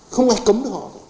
không ai cấm được họ